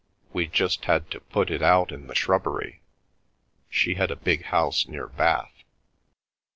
We just had to put it out in the shrubbery—she had a big house near Bath."